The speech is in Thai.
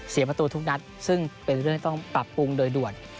ประตูทุกนัดซึ่งเป็นเรื่องต้องปรับปรุงโดยด่วน